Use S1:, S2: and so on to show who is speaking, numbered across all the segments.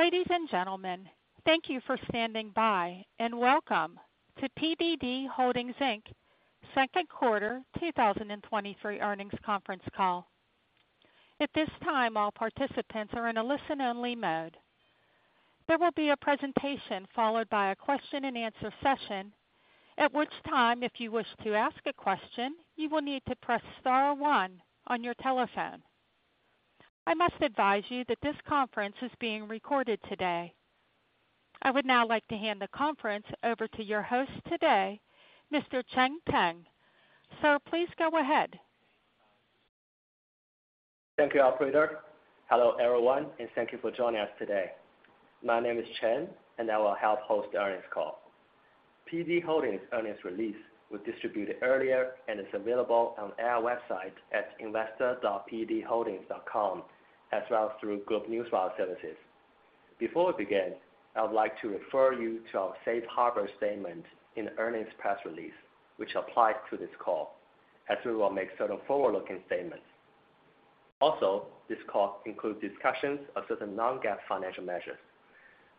S1: Ladies and gentlemen, thank you for standing by, and welcome to PDD Holdings, Inc. Second Quarter 2023 Earnings Conference Call. At this time, all participants are in a listen-only mode. There will be a presentation followed by a question-and-answer session, at which time, if you wish to ask a question, you will need to press star one on your telephone. I must advise you that this conference is being recorded today. I would now like to hand the conference over to your host today, Mr. Chen Peng. Sir, please go ahead.
S2: Thank you, operator. Hello, everyone, and thank you for joining us today. My name is Chen, and I will help host the earnings call. PDD Holdings earnings release was distributed earlier and is available on our website at investor.pddholdings.com, as well as through group news wire services. Before we begin, I would like to refer you to our safe harbor statement in the earnings press release, which applies to this call, as we will make certain forward-looking statements. Also, this call includes discussions of certain non-GAAP financial measures.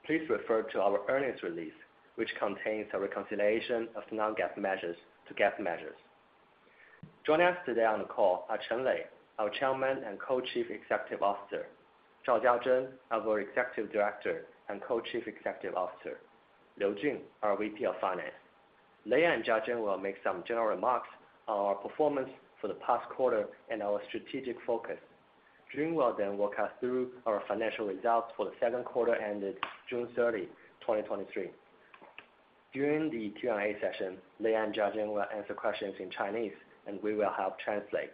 S2: Please refer to our earnings release, which contains a reconciliation of non-GAAP measures to GAAP measures. Joining us today on the call are Chen Lei, our Chairman and Co-Chief Executive Officer, Zhao Jiazhen, our Executive Director and Co-Chief Executive Officer, Liu Jun, our VP of Finance. Lei and Jiazhen will make some general remarks on our performance for the past quarter and our strategic focus. Jun will then walk us through our financial results for the second quarter ended June 30th, 2023. During the Q&A session, Lei and Jiazhen will answer questions in Chinese, and we will help translate.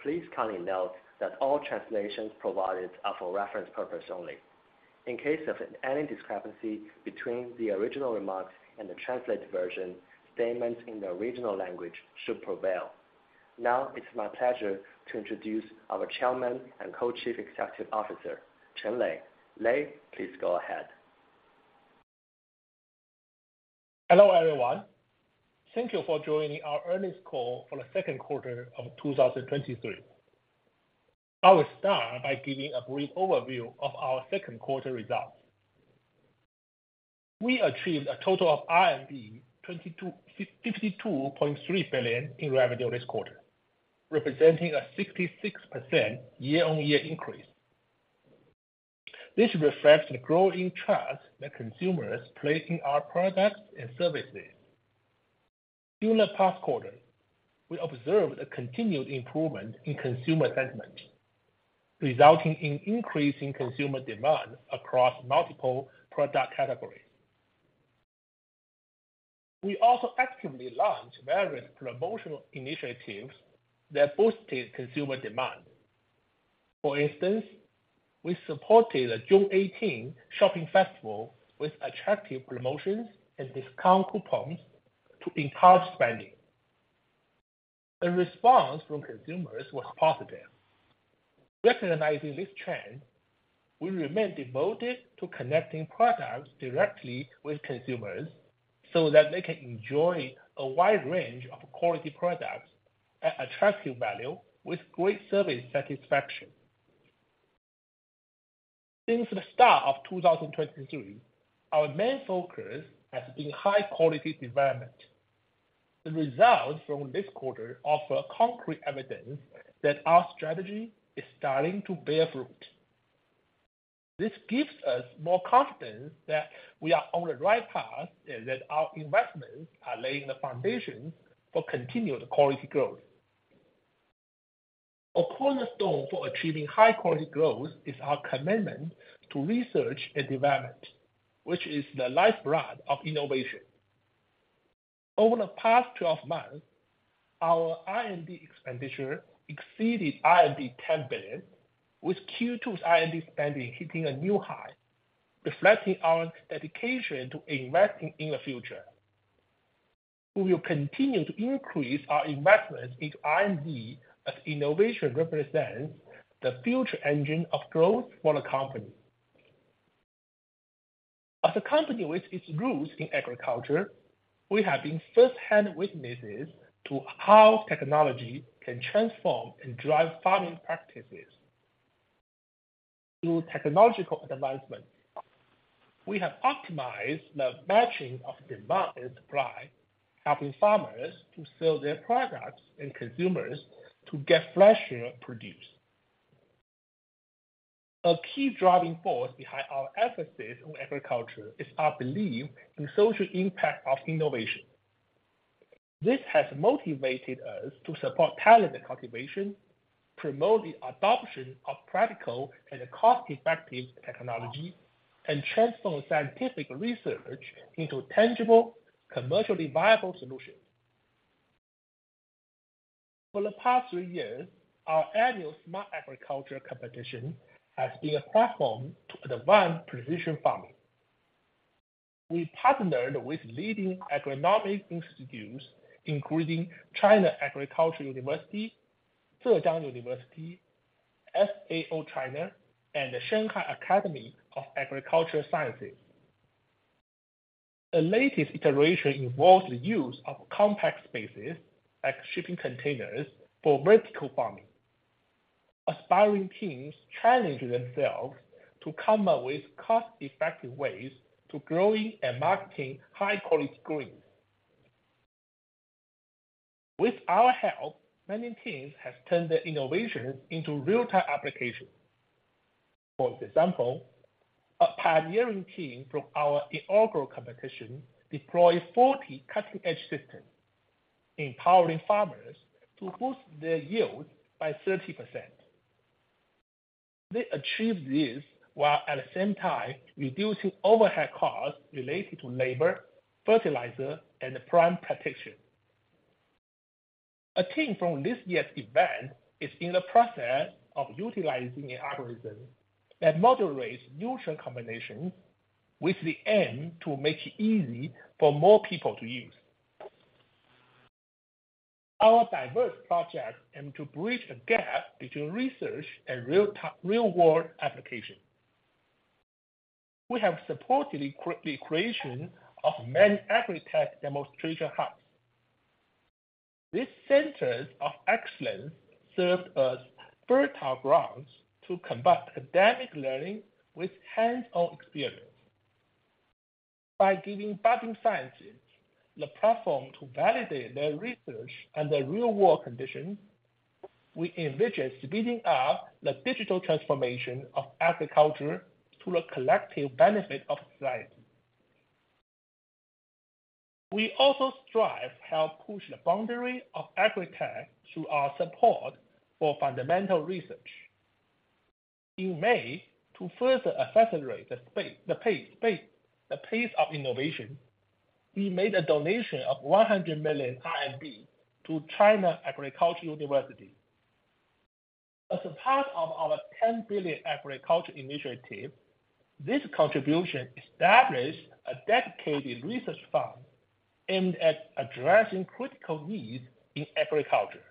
S2: Please kindly note that all translations provided are for reference purpose only. In case of any discrepancy between the original remarks and the translated version, statements in the original language should prevail. Now, it's my pleasure to introduce our Chairman and Co-chief Executive Officer, Chen Lei. Lei, please go ahead.
S3: Hello, everyone. Thank you for joining our Earnings Call for the Second Quarter of 2023. I will start by giving a brief overview of our second quarter results. We achieved a total of RMB 52.3 billion in revenue this quarter, representing a 66% year-on-year increase. This reflects the growing trust that consumers place in our products and services. During the past quarter, we observed a continued improvement in consumer sentiment, resulting in increasing consumer demand across multiple product categories. We also actively launched various promotional initiatives that boosted consumer demand. For instance, we supported the June 18 Shopping Festival with attractive promotions and discount coupons to encourage spending. The response from consumers was positive. Recognizing this trend, we remain devoted to connecting products directly with consumers, so that they can enjoy a wide range of quality products at attractive value, with great service satisfaction. Since the start of 2023, our main focus has been high-quality development. The results from this quarter offer concrete evidence that our strategy is starting to bear fruit. This gives us more confidence that we are on the right path, and that our investments are laying the foundation for continued quality growth. A cornerstone for achieving high-quality growth is our commitment to research and development, which is the lifeblood of innovation. Over the past 12 months, our R&D expenditure exceeded 10 billion, with Q2's R&D spending hitting a new high, reflecting our dedication to investing in the future. We will continue to increase our investments into R&D, as innovation represents the future engine of growth for the company. As a company with its roots in agriculture, we have been firsthand witnesses to how technology can transform and drive farming practices. Through technological advancement, we have optimized the matching of demand and supply, helping farmers to sell their products and consumers to get fresher produce. A key driving force behind our emphasis on agriculture is our belief in social impact of innovation. This has motivated us to support talent cultivation, promote the adoption of practical and cost-effective technology, and transform scientific research into tangible, commercially viable solutions. For the past three years, our annual Smart Agriculture Competition has been a platform to advance precision farming. We partnered with leading agronomic institutes, including China Agricultural University, Zhejiang University, FAO China, and the Shanghai Academy of Agricultural Sciences. The latest iteration involves the use of compact spaces, like shipping containers, for vertical farming. Aspiring teams challenge themselves to come up with cost-effective ways to growing and marketing high quality greens. With our help, many teams have turned their innovations into real-time applications. For example, a pioneering team from our inaugural competition deployed 40 cutting-edge systems, empowering farmers to boost their yield by 30%. They achieved this while at the same time reducing overhead costs related to labor, fertilizer, and plant protection. A team from this year's event is in the process of utilizing an algorithm that moderates nutrient combination with the aim to make it easy for more people to use. Our diverse projects aim to bridge the gap between research and real time- real-world application. We have supported the creation of many agritech demonstration hubs. These centers of excellence serve as fertile grounds to combat academic learning with hands-on experience. By giving budding scientists the platform to validate their research under real-world conditions, we envision speeding up the digital transformation of agriculture to the collective benefit of society. We also strive to help push the boundary of agritech through our support for fundamental research. In May, to further accelerate the pace of innovation, we made a donation of 100 million RMB to China Agricultural University. As a part of our 10 Billion Agriculture Initiative, this contribution established a dedicated research fund aimed at addressing critical needs in agriculture.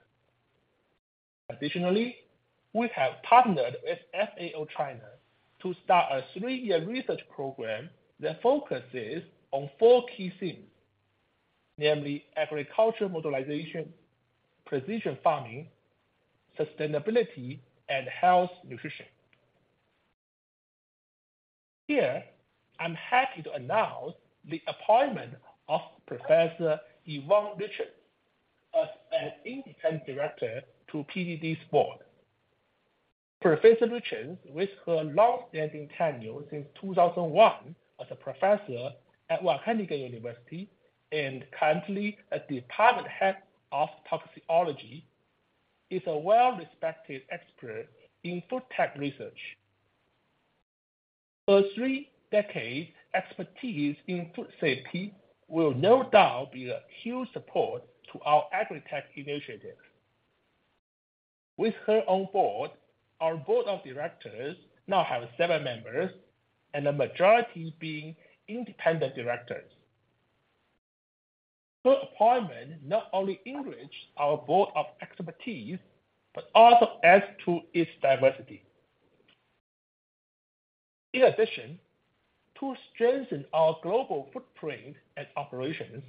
S3: Additionally, we have partnered with FAO China to start a three-year research program that focuses on four key things, namely agriculture modernization, precision farming, sustainability, and health nutrition. Here, I'm happy to announce the appointment of Professor Ivonne Rietjens as an independent director to PDD's board. Professor Rietjens, with her long-standing tenure since 2001 as a professor at Wageningen University, and currently a department head of toxicology, is a well-respected expert in food tech research. Her three-decade expertise in food safety will no doubt be a huge support to our agritech initiative. With her on board, our board of directors now have seven members, and a majority being independent directors. Her appointment not only enriches our board of expertise, but also adds to its diversity. In addition, to strengthen our global footprint and operations,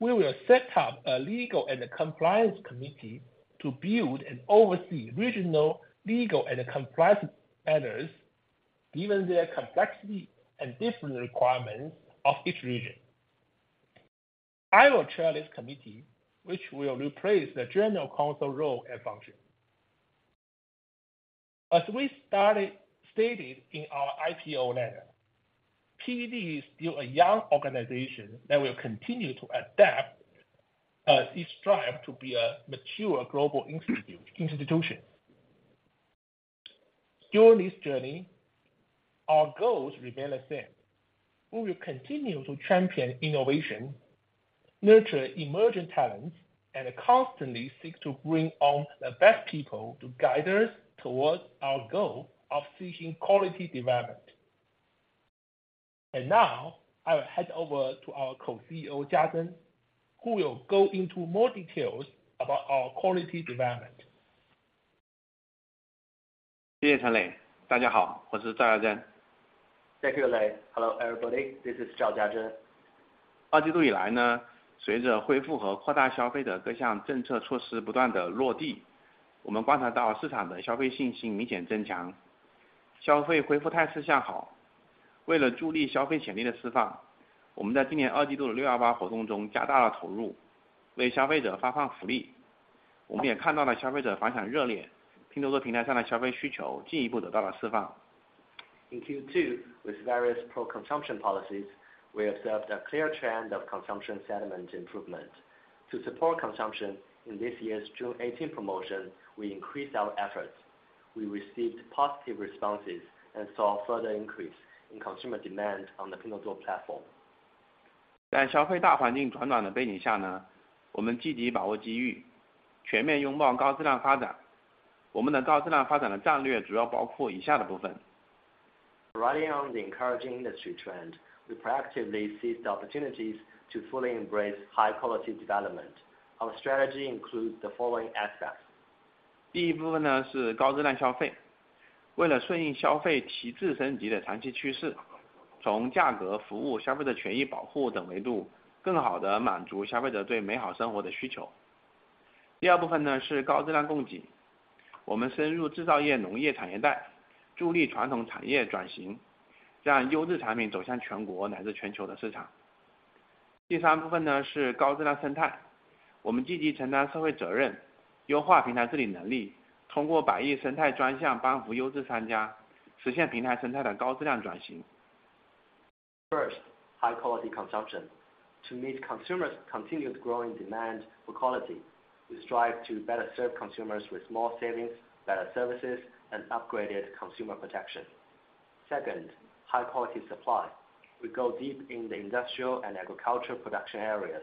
S3: we will set up a Legal and Compliance Committee to build and oversee regional legal and compliance matters, given their complexity and different requirements of each region. I will chair this committee, which will replace the general counsel role and function. As we stated in our IPO letter, PDD is still a young organization that will continue to adapt, as it strive to be a mature global institution. During this journey, our goals remain the same. We will continue to champion innovation, nurture emerging talents, and constantly seek to bring on the best people to guide us towards our goal of seeking quality development. Now, I will hand over to our co-CEO, Jiazhen, who will go into more details about our quality development.
S4: Thank you, Chen Lei. Hello, everybody. This is Zhao Jiazhen. In Q2, with various pro-consumption policies, we observed a clear trend of consumption sentiment improvement. To support consumption in this year's June 18 promotion, we increased our efforts. We received positive responses and saw a further increase in consumer demand on the Pinduoduo platform. Riding on the encouraging industry trend, we proactively seized the opportunities to fully embrace high-quality development. Our strategy includes the following aspects....
S5: 第一部分呢，是高质量消费。为了顺应消费提质升级的长期趋势，从价格、服务、消费者权益保护等维度，更好地满足消费者对美好生活的需求。第二部分呢，是高质量供给。我们深入制造业、农业产业带，助力传统产业转型，让优质产品走向全国乃至全球的市场。第三部分呢，是高质量生态。我们积极承担社会责任，优化平台治理能力，通过百亿生态专项帮扶优质商家，实现平台生态的高质量转型。First, high quality consumption.
S4: To meet consumers' continued growing demand for quality, we strive to better serve consumers with more savings, better services, and upgraded consumer protection. Second, high quality supply. We go deep in the industrial and agricultural production areas,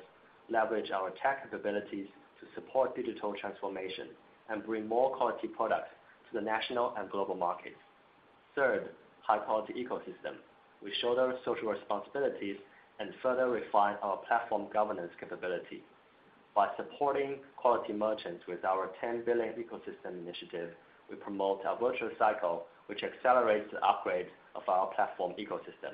S4: leverage our tech capabilities to support digital transformation, and bring more quality products to the national and global markets. Third, high quality ecosystem. We show their social responsibilities and further refine our platform governance capability. By supporting quality merchants with our 10 billion ecosystem initiative, we promote a virtuous cycle, which accelerates the upgrade of our platform ecosystem。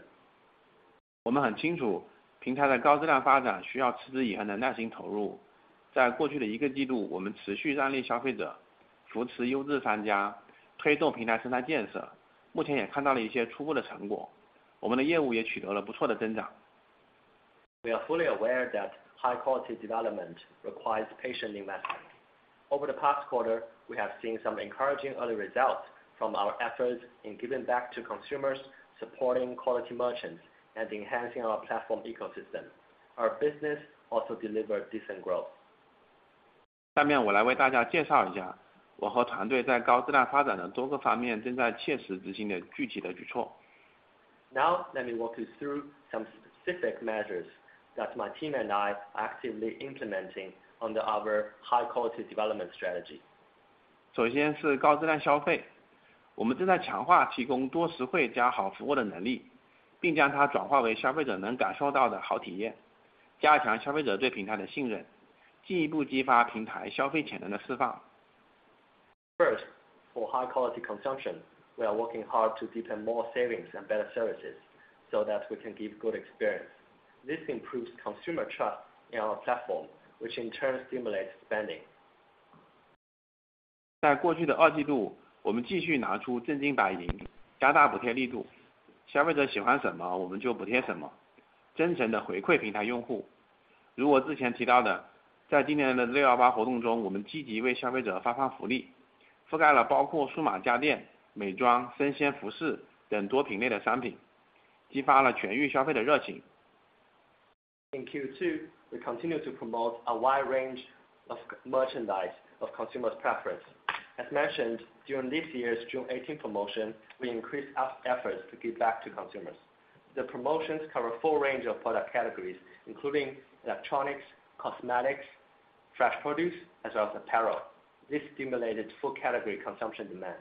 S5: 我们很清楚，平台的优质发展需要持之以恒的耐心投入。在过去的一个季度，我们持续让利消费者，扶持优质商家，推动平台生态建设，目前也看到了一些初步的成果，我们的业务也取得了不错的增长。
S4: We are fully aware that high quality development requires patient investment. Over the past quarter, we have seen some encouraging early results from our efforts in giving back to consumers, supporting quality merchants, and enhancing our platform ecosystem. Our business also delivered decent growth.
S5: 下面我来为大家介绍一下，我和团队在高质量发展 的多个方面正在切实执行的具体举措。
S4: Now, let me walk you through some specific measures that my team and I are actively implementing under our high quality development strategy.
S5: 首先是高质量消费。我们正在强化提供多实惠加好服务的能力，并将它转化为消费者能感受到的好体验，加强消费者对平台的信任，进一步激发平台消费潜力的释放。
S4: First, for high quality consumption, we are working hard to deliver more savings and better services so that we can give good experience. This improves consumer trust in our platform, which in turn stimulates spending.
S5: 在过去的二季度，我们继续拿出真金白银，加大小贴力度，消费者喜欢什么，我们就补贴什么，真诚地回馈平台用户。如我之前提到的，在今年的六一八活动中，我们积极为消费者发放福利，覆盖了包括数码、家电、美妆、生鲜、服饰等多个品类的商品，激发了全域消费的热情。
S4: In Q2, we continue to promote a wide range of merchandise of consumers preference. As mentioned, during this year's June 18th promotion, we increased our efforts to give back to consumers. The promotions cover a full range of product categories, including electronics, cosmetics, fresh produce as well as apparel. This stimulated full category consumption demand.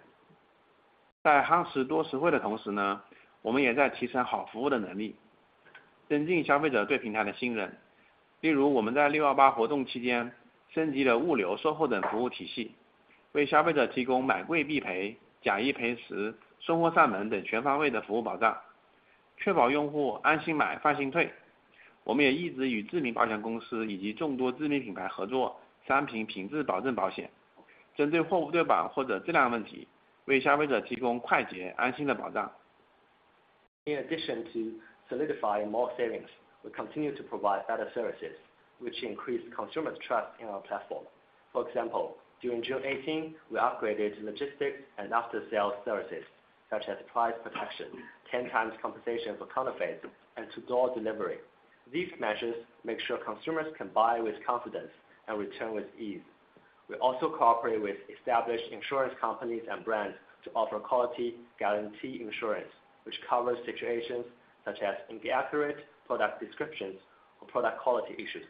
S5: 在夯实多实惠的同时呢，我们也在提升好服务的能力，增进消费者对平台的信任。例如，我们在六一八活动期间升级了物流售后等服务体系，为消费者提供买贵必赔、假一赔十、送货上门等全方位的服务保障，确保用户安心买，放心的退。我们也一直与知名保险公司以及众多知名品牌合作，商品品质保证保险，针对货物对保或者质量问题，为消费者提供快捷安心的保障。
S4: In addition to solidify more savings, we continue to provide better services, which increase consumers trust in our platform. For example, during June 18th, we upgraded logistics and after sales services such as price protection, 10x compensation for counterfeits and door-to-door delivery. These measures make sure consumers can buy with confidence and return with ease. We also cooperate with established insurance companies and brands to offer quality guarantee insurance, which covers situations such as inaccurate product descriptions or product quality issues.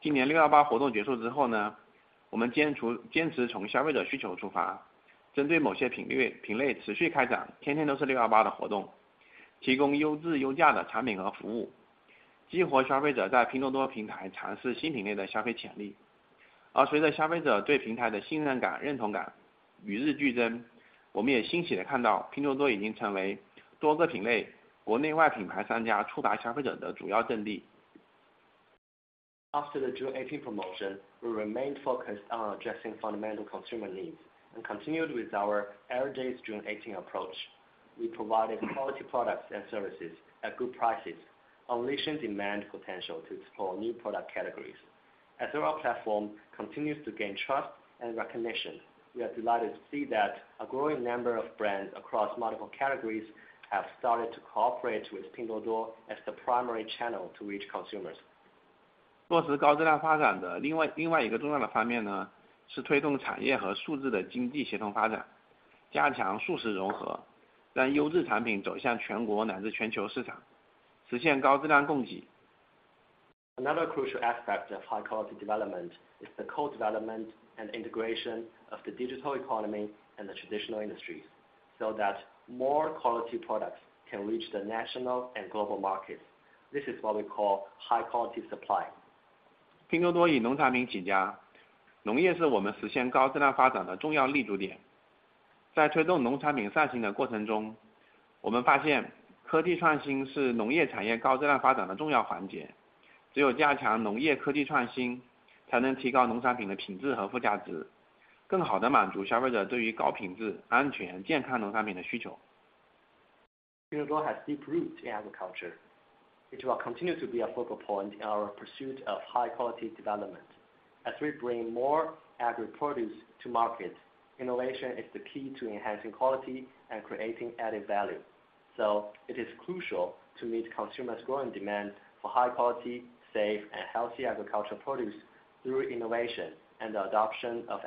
S5: 今年六一八活动结束之后呢，我们坚持，坚持从消费者需求出发，针对某些品类，品类持续开展，天天都是六一八的活动，提供优质优价的产品和服务，激活消费者在拼多多平台尝试新品类的消费潜力。而随着消费者对平台的信任感、认同感与日俱增，我们也欣喜地看到，拼多多已经成为多个品类国内外品牌商家触达消费者的主要阵地。
S4: After the June 18th promotion, we remained focused on addressing fundamental consumer needs and continued with our Everyday June 18th approach. We provided quality products and services at good prices, unleashing demand potential to explore new product categories. As our platform continues to gain trust and recognition, we are delighted to see that a growing number of brands across multiple categories have started to cooperate with Pinduoduo as the primary channel to reach consumers.
S5: 落实高质量发展的另外，另外一个重要的方面呢，是推动产业和数字的经济协同发展，加强数实融合，让优质产品走向全国乃至全球市场，实现高质量供给。
S4: Another crucial aspect of high quality development is the co-development and integration of the digital economy and the traditional industries. ...So that more quality products can reach the national and global markets. This is what we call high quality supply.
S5: 拼多多以农产品起家，农业是我们实现高质量发展的重要立足点。在推动农产品上行的过程中，我们发现科技创新是农业产业高质量发展的重要环节，只有加强农业科技创新，才能提高农产品的品质和附加值，更好地满足消费者对于高品质、安全、健康农产品的需求。
S4: Pinduoduo has deep roots in agriculture, which will continue to be a focal point in our pursuit of high-quality development. As we bring more agri produce to market, innovation is the key to enhancing quality and creating added value. It is crucial to meet consumers' growing demand for high-quality, safe and healthy agricultural produce through innovation and the adoption of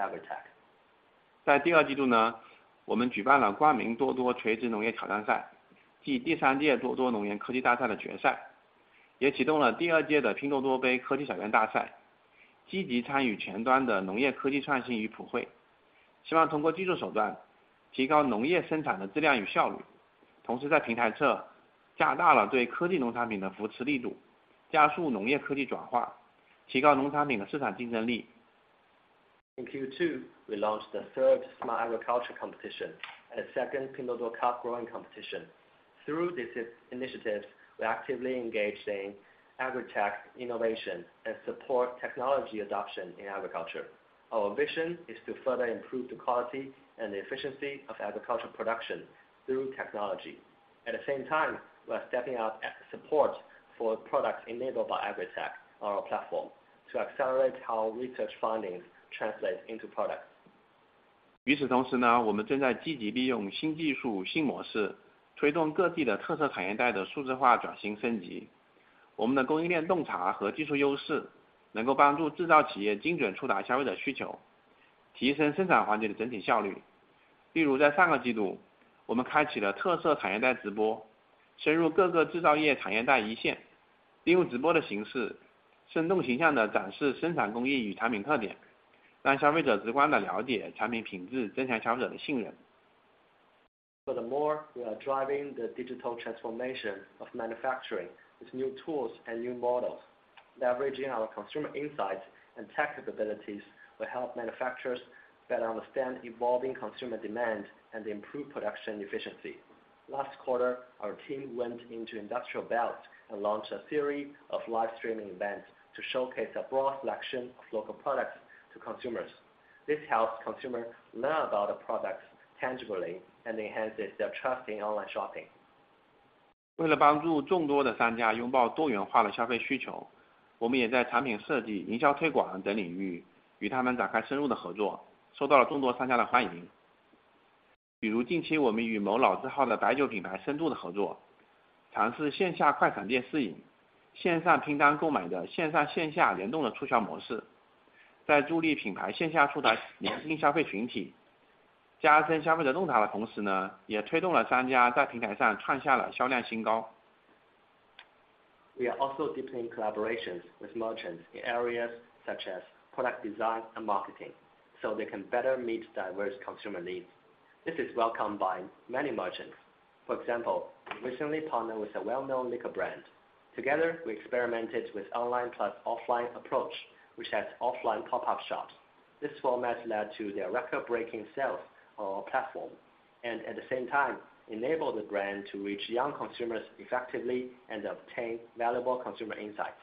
S4: In Q2, we launched the third Smart Agriculture Competition and second Pinduoduo Cup Growing Competition. Through these initiatives, we actively engaged in AgriTech innovation and support technology adoption in agriculture. Our vision is to further improve the quality and efficiency of agricultural production through technology. At the same time, we are stepping up support for products enabled by AgriTech on our platform to accelerate how research findings translate into products.
S5: 与此同时呢，我们正在积极利用新技术、新模式，推动各地的特色产业带的数字化转型升级。我们供应链洞察和技术优势，能够帮助制造企业精准触达消费者需求，提升生产环节的整体效率。例如，在上个季度，我们开启了特色产业带直播，深入各个制造业产业带一线，利用直播的形式，生动形象地展示生产工艺与产品特点，让消费者直观地了解产品品质，增强消费者的信任。
S4: Furthermore, we are driving the digital transformation of manufacturing with new tools and new models. Leveraging our consumer insights and tech capabilities will help manufacturers better understand evolving consumer demand and improve production efficiency. Last quarter, our team went into industrial belt and launched a series of live streaming events to showcase a broad selection of local products to consumers. This helps consumers learn about the products tangibly and enhances their trust in online shopping.
S5: 为了帮助众多的商家拥抱多元化的消费需求，我们也在产品设计、营销推广等领域与他们展开深入的合作，受到了众多商家的欢迎。比如近期我们与某老字号的白酒品牌深度合作，尝试线下快闪店试饮、线上拼单购买的线上线下联动的促销模式，在助力品牌线下触达年轻消费群体、深化消费者洞察的同时呢，也推动了商家在平台上创下了销量新高。
S4: We are also deepening collaborations with merchants in areas such as product design and marketing, so they can better meet diverse consumer needs. This is welcomed by many merchants. For example, we recently partnered with a well-known liquor brand. Together, we experimented with online plus offline approach, which has offline pop-up shops. This format led to their record-breaking sales on our platform, and at the same time enabled the brand to reach young consumers effectively and obtain valuable consumer insights.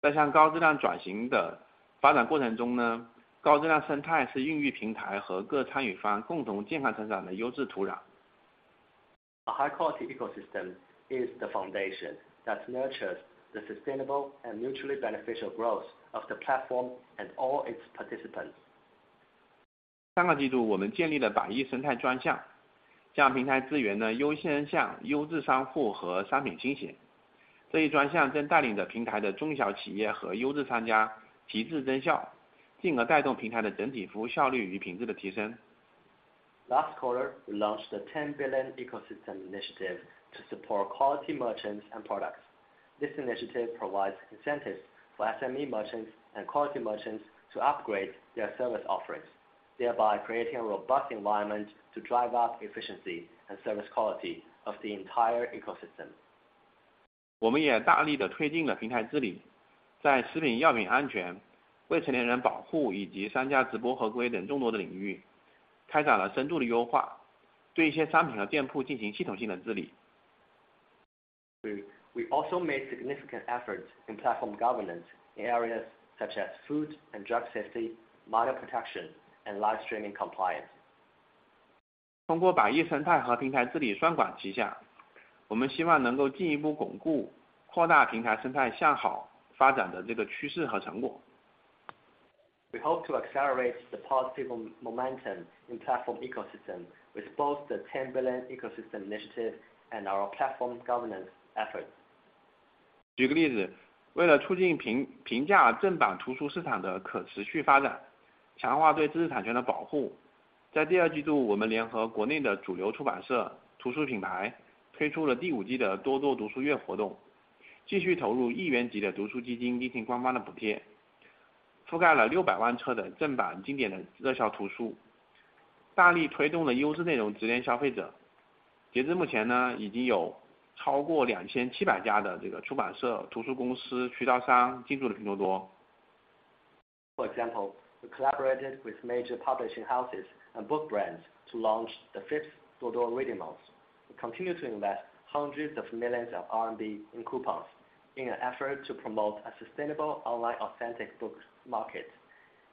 S5: 在向高质量转型的发展过程中呢，高质量生态是孕育平台和各参与方共同健康成长的优质土壤。
S4: A high quality ecosystem is the foundation that nurtures the sustainable and mutually beneficial growth of the platform and all its participants.
S5: 上个季度，我们建立了百亿生态专项，将平台资源优先向优质商户和商品倾斜。这一专项正带领着平台的中小企业和优质商家提质增效，从而带动平台的整体服务效率与品质的提升。
S4: Last quarter, we launched the 10 Billion Ecosystem Initiative to support quality merchants and products. This initiative provides incentives for SME merchants and quality merchants to upgrade their service offerings, thereby creating a robust environment to drive up efficiency and service quality of the entire ecosystem.
S5: 我们也大力地推进了平台治理，在食品药品安全、未成年人保护以及商家直播合规等众多的领域开展了深度的优化，对一些商品和店铺进行系统性的治理。
S4: We also made significant efforts in platform governance in areas such as food and drug safety, minor protection, and live streaming compliance.
S5: 通过百亿生态和平台治理双管齐下，我们希望能够进一步巩固扩大平台生态向好发展的这个趋势和成果。
S4: We hope to accelerate the positive momentum in platform ecosystem with both the 10 Billion Ecosystem Initiative and our platform governance efforts. For example, we collaborated with major publishing houses and book brands to launch the fifth Duoduo Reading Month. We continue to invest hundreds of millions CNY in coupons in an effort to promote a sustainable online authentic books market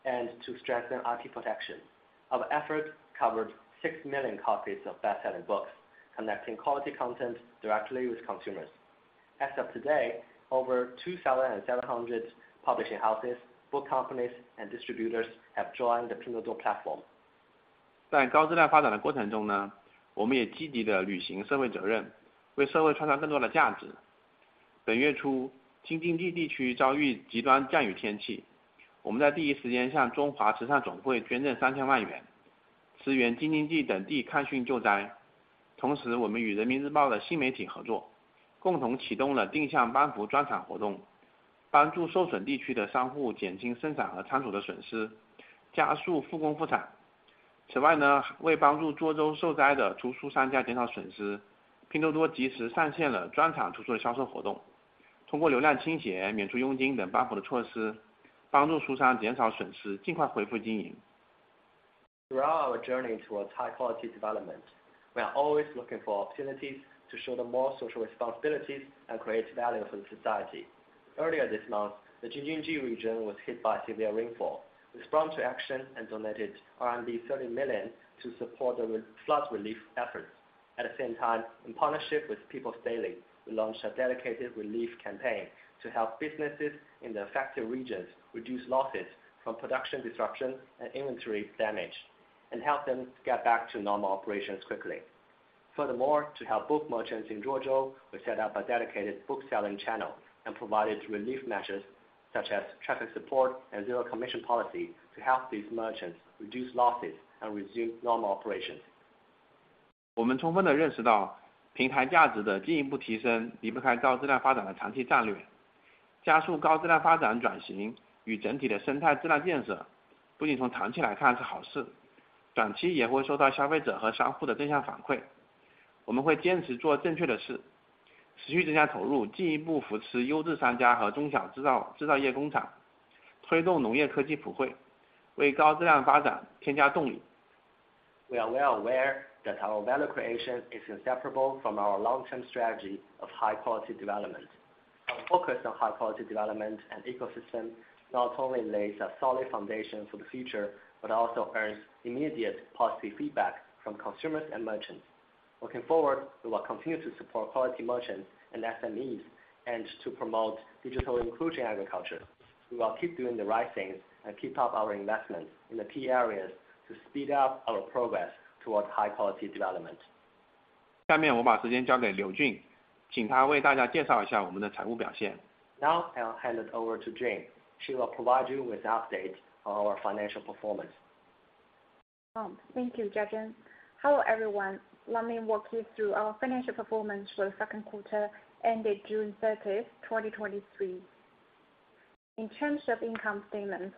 S4: and to strengthen IP protection. Our effort covered 6 million copies of best-selling books, connecting quality content directly with consumers. As of today, over 2,700 publishing houses, book companies, and distributors have joined the Pinduoduo platform.
S5: 在高质量发展的过程中呢，我们也积极地履行社会责任，为社会创造更多的价值。本月初，京津冀地区遭遇极端降雨天气，我们在第一时间向中华慈善总会捐赠3000万元，支援京津冀等地抗汛救灾。同时，我们与人民日报的新媒体合作，共同启动了定向帮扶专场活动，帮助受损地区的商户减轻生产和仓储的损失，加速复工复产。此外呢，为帮助涿州受灾的图书商家减少损失，拼多多及时上线了专场图书的销售活动，通过流量倾斜，免除佣金等帮扶的措施，帮助书商减少损失，尽快恢复经营。
S4: Throughout our journey towards high quality development, we are always looking for opportunities to show the more social responsibilities and create value for the society. Earlier this month, the Jing-Jin-Ji region was hit by severe rainfall. We sprung to action and donated 30 million to support the flood relief efforts. At the same time, in partnership with People's Daily, we launched a dedicated relief campaign to help businesses in the affected regions reduce losses from production disruption and inventory damage, and help them get back to normal operations quickly. Furthermore, to help book merchants in Zhuozhou, we set up a dedicated book selling channel and provided relief measures such as traffic support and zero commission policy to help these merchants reduce losses and resume normal operations.
S5: 我们充分认识到，平台价值的进一步提升，离不开高质量发展的长期战略。加速高质量发展转型与整体的生态质量建设，不仅从长期来看是好事，短期也会收到消费者和商户的正向反馈。我们会坚持做正确的事，持续增加投入，进一步扶持优质商家和中小制造、制造业工厂，推动农业科技普惠，为高质量发展增添动力。
S4: We are well aware that our value creation is inseparable from our long-term strategy of high quality development. Our focus on high quality development and ecosystem not only lays a solid foundation for the future, but also earns immediate positive feedback from consumers and merchants. Looking forward, we will continue to support quality merchants and SMEs, and to promote digital inclusion agriculture. We will keep doing the right things and keep up our investments in the key areas to speed up our progress towards high quality development.
S5: 下面我把时间交给刘俊，请她为大家介绍一下我们的财务表现。
S4: Now, I'll hand it over to Jun. She will provide you with updates on our financial performance.
S6: Thank you, Jiajun. Hello, everyone. Let me walk you through our financial performance for the second quarter ended June 30, 2023. In terms of income statements,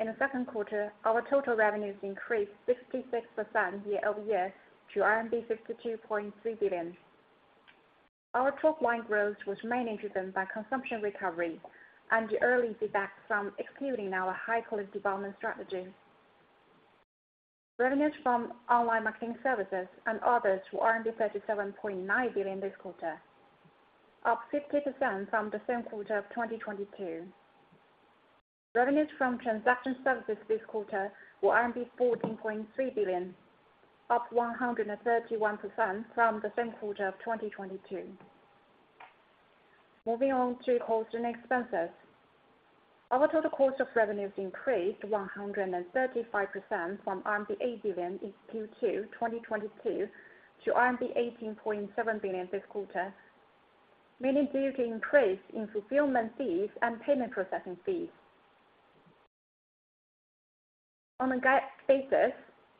S6: in the second quarter, our total revenues increased 66% year-over-year to RMB 52.3 billion. Our top line growth was mainly driven by consumption recovery and the early feedback from executing our high quality development strategy. Revenues from online marketing services and others were 37.9 billion this quarter, up 50% from the same quarter of 2022. Revenues from transaction services this quarter were 14.3 billion, up 131% from the same quarter of 2022. Moving on to cost and expenses. Our total cost of revenues increased 135% from RMB 8 billion in Q2 2022 to RMB 18.7 billion this quarter, mainly due to increase in fulfillment fees and payment processing fees. On a GAAP basis,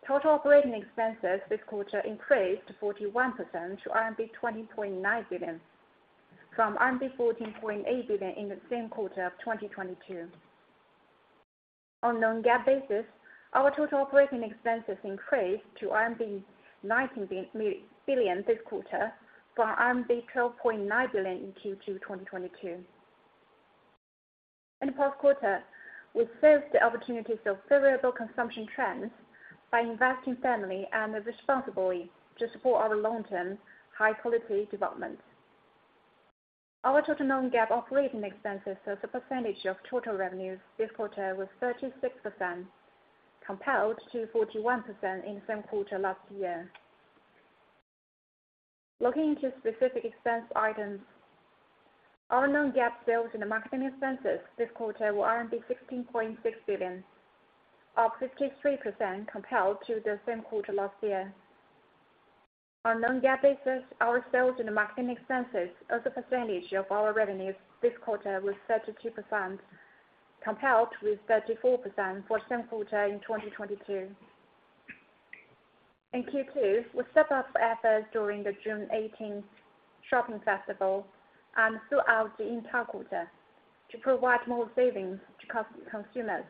S6: total operating expenses this quarter increased 41% to RMB 20.9 billion, from RMB 14.8 billion in the same quarter of 2022. On a Non-GAAP basis, our total operating expenses increased to RMB 19 billion this quarter, from RMB 12.9 billion in Q2 2022. In the past quarter, we seized the opportunities of favorable consumption trends by investing firmly and responsibly to support our long-term, high quality development. Our total Non-GAAP operating expenses as a percentage of total revenues this quarter was 36%, compared to 41% in the same quarter last year. Looking into specific expense items, our non-GAAP sales and marketing expenses this quarter were RMB 16.6 billion, up 53% compared to the same quarter last year. On a non-GAAP basis, our sales and marketing expenses as a percentage of our revenues this quarter was 32%, compared with 34% for same quarter in 2022. In Q2, we stepped up our efforts during the June 18th shopping festival and throughout the entire quarter to provide more savings to consumers.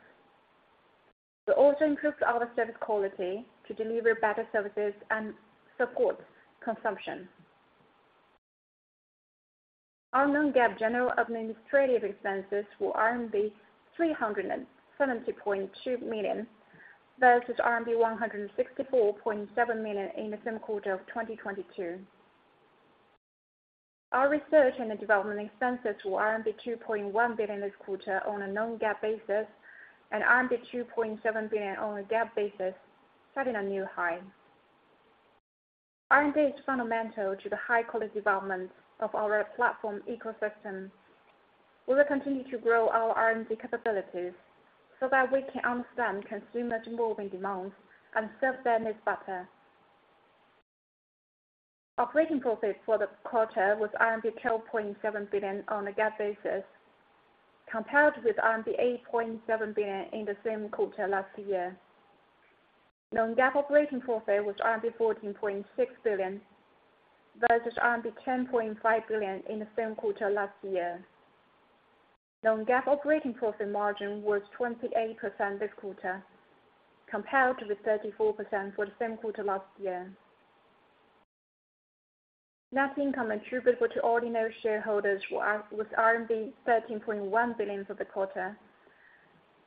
S6: We also improved our service quality to deliver better services and support consumption. Our non-GAAP general administrative expenses were RMB 370.2 million, versus RMB 164.7 million in the same quarter of 2022. Our research and development expenses were RMB 2.1 billion this quarter on a non-GAAP basis, and RMB 2.7 billion on a GAAP basis, setting a new high. R&D is fundamental to the high quality development of our platform ecosystem. We will continue to grow our R&D capabilities so that we can understand consumers' evolving demands and serve their needs better. Operating profit for the quarter was RMB 12.7 billion on a GAAP basis, compared with RMB 8.7 billion in the same quarter last year. Non-GAAP operating profit was RMB 14.6 billion, versus RMB 10.5 billion in the same quarter last year. Non-GAAP operating profit margin was 28% this quarter, compared with 34% for the same quarter last year. Net income attributable to ordinary shareholders was RMB 13.1 billion for the quarter,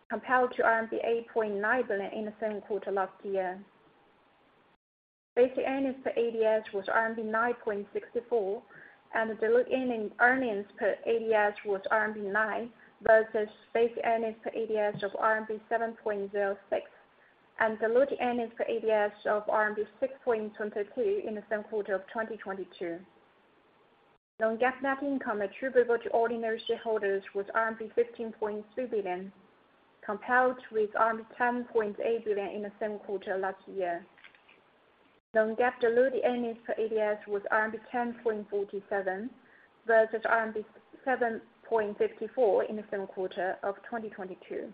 S6: compared to RMB 8.9 billion in the same quarter last year. Basic earnings per ADS was RMB 9.64, and the diluted earnings per ADS was RMB 9, versus basic earnings per ADS of RMB 7.06, and diluted earnings per ADS of RMB 6.22 in the same quarter of 2022. Non-GAAP net income attributable to ordinary shareholders was RMB 15.3 billion, compared with RMB 10.8 billion in the same quarter last year. Non-GAAP diluted earnings per ADS was 10.47, versus RMB 7.54 in the same quarter of 2022.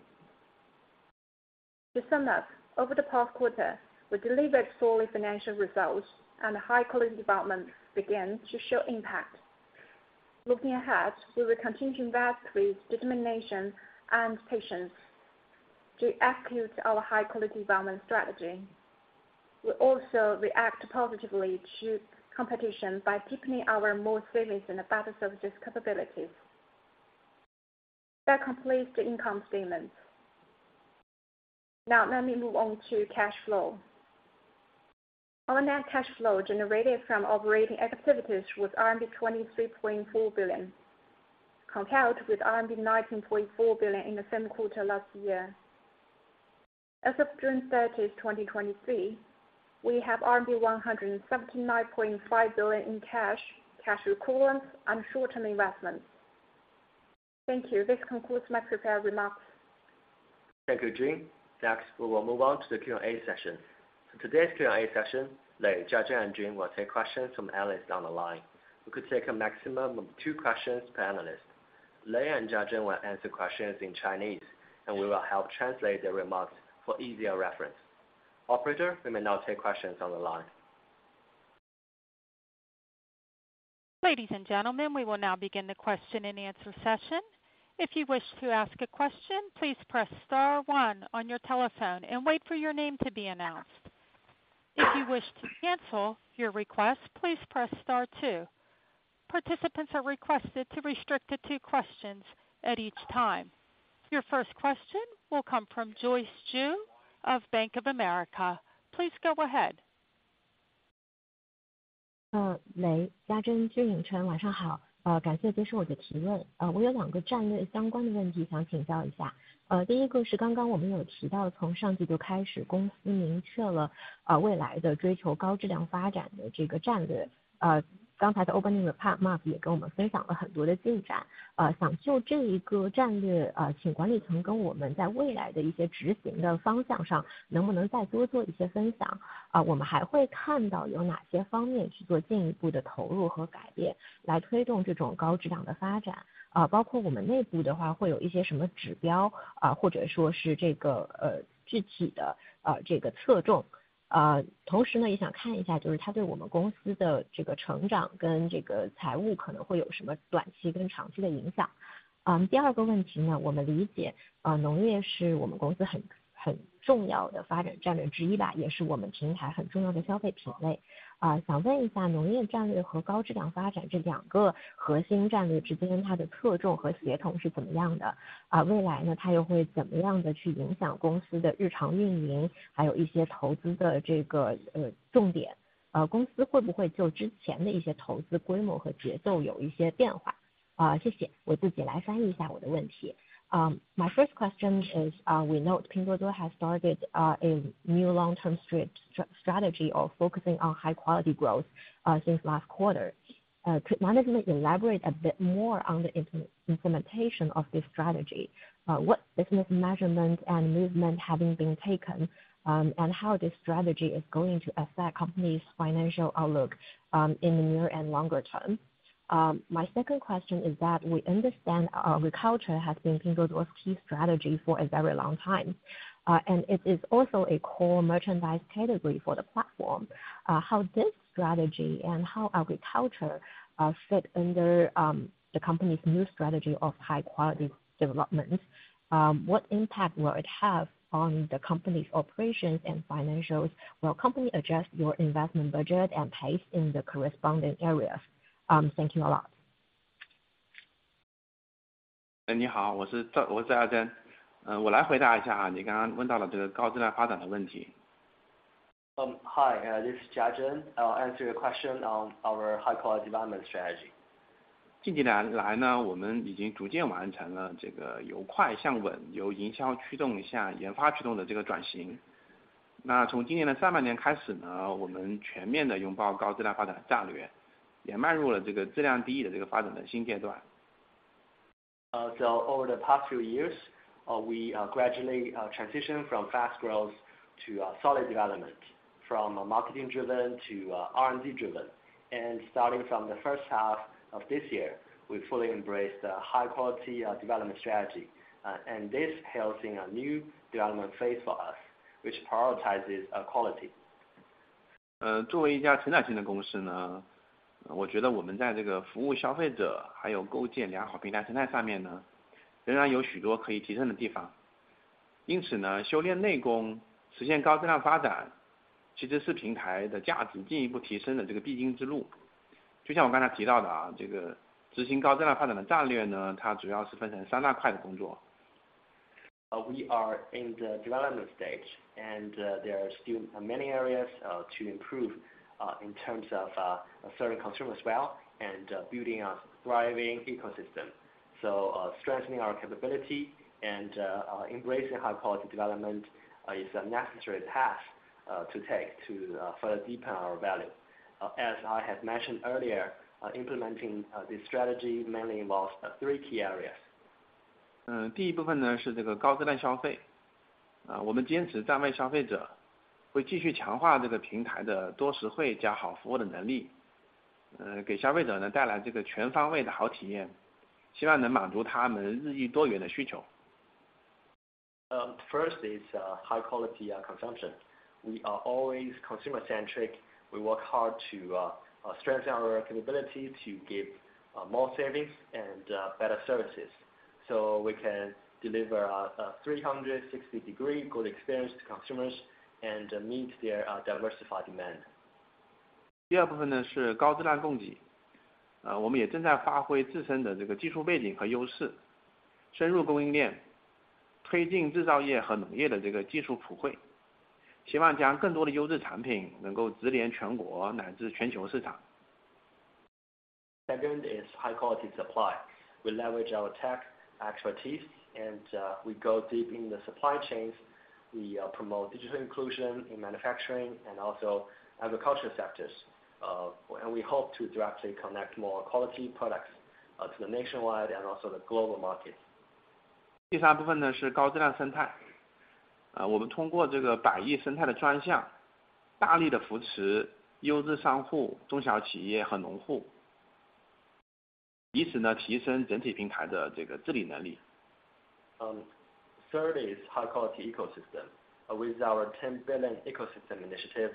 S6: To sum up, over the past quarter, we delivered solid financial results, and high quality development began to show impact. Looking ahead, we will continue to invest with determination and patience to execute our high quality development strategy. We'll also react positively to competition by deepening our more savings and better services capabilities. That completes the income statement. Now, let me move on to cash flow. Our net cash flow generated from operating activities was RMB 23.4 billion, compared with RMB 19.4 billion in the same quarter last year. As of June 30th, 2023, we have RMB 179.5 billion in cash, cash equivalents, and short-term investments. Thank you. This concludes my prepared remarks.
S2: Thank you, Jun. Next, we will move on to the Q&A session. For today's Q&A session, Lei, Jiazhen, and Jun will take questions from analysts on the line. We could take a maximum of two questions per analyst. Lei and Jiazhen will answer questions in Chinese, and we will help translate their remarks for easier reference. Operator, we may now take questions on the line.
S1: Ladies and gentlemen, we will now begin the question-and-answer session. If you wish to ask a question, please press star one on your telephone and wait for your name to be announced. If you wish to cancel your request, please press star two. Participants are requested to restrict it to questions at each time. Your first question will come from Joyce Zhu of Bank of America. Please go ahead.
S7: Lei, Jiazhen, Jun Yingchen,晚上好。感谢接受我的提问。我有两个战略相关的问题想请教一下。第一个是刚刚我们有提到，从上季度开始，公司明确了，未来的追求高质量发展的这个战略。刚才的 opening part, Mark 谢谢。我自己来翻译一下我的问题。
S8: My first question is, we note Pinduoduo has started a new long-term strategy of focusing on high quality growth since last quarter. Could management elaborate a bit more on the implementation of this strategy? What business measurements and movements have been being taken, and how this strategy is going to affect company's financial outlook in the near and longer term? My second question is that we understand agriculture has been Pinduoduo key strategy for a very long time, and it is also a core merchandise category for the platform. How this strategy and how agriculture fit under the company's new strategy of high quality development? What impact will it have on the company's operations and financials? Will company adjust your investment budget and pace in the corresponding areas? Thank you a lot.
S5: 你好，我是赵，我是佳臻，我来回答一下啊，你刚刚问到了这个高质量发展的这个问题。
S4: Hi, this is Jiazhen Zhao, I'll answer your question on our high quality development strategy.
S5: 近几年來呢，我们已经逐渐完成了这个由快向稳，由营销驱动向研发驱动的这个转型。那从今年上半年开始呢，我们全面地拥抱高质量发展战略，也迈入了这个质量第一的这个发展的新的阶段。
S4: So over the past few years, we are gradually transition from fast growth to a solid development, from marketing driven to R&D driven. Starting from the first half of this year, we fully embrace the high quality development strategy, and this helps in a new development phase for us, which prioritizes our quality.
S5: 作为一家成长型的公司呢，我觉得我们在这个服务消费者，还有构建良好平台生态方面呢，仍然有许多可以提升的地方。因此呢，修炼内功，实现高质量发展，其实是平台价值进一步提升的这个必经之路。就像我刚才提到的啊，这个执行高质量发展战略呢，它主要是分成三大块的工作。
S8: We are in the development stage, and there are still many areas to improve in terms of serving consumers well and building a thriving ecosystem. So strengthening our capability and, embracing high quality development is a necessary path to take to further deepen our value. As I have mentioned earlier, implementing this strategy mainly involves three key areas.
S5: 第一部分呢，是这个高质量消费，我们坚持在为消费者，会继续强化这个平台的更多实惠好服务的能力，给消费者呢，带来这个全方位的体验，希望能满足他们日益多元的需求。
S8: First, is high-quality consumption. We are always consumer-centric. We work hard to strengthen our capability to give more savings and better services, so we can deliver a 360-degree good experience to consumers and meet their diversified demand.
S5: 第二部分呢，是高质量供给，我们也正在发挥自身的这个技术背景和优势，深入供应链，推进制造业和农业的这个技术普惠，希望将更多的优质产品能够直连全国乃至全球市场。
S8: Second is high quality supply. We leverage our tech expertise and we go deep in the supply chains. We promote digital inclusion in manufacturing and also agriculture sectors. And we hope to directly connect more quality products to the nationwide and also the global market.
S5: 第三部分呢，是高质量生态。我们通过这个百亿生态的专项，大力地扶持优质商户、中小企业和农户，以此呢提升整体平台的这个治理能力。
S8: Third is high-quality ecosystem. With our 10 Billion Ecosystem Initiative,